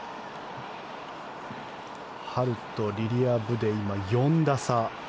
ハルとリリア・ブで４打差。